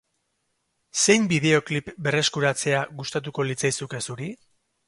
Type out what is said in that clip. Zein bideoklip berreskuratzea gustatuko litzaizuke zuri?